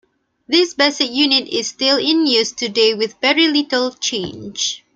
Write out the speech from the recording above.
This basic unit is still in use today with very little change.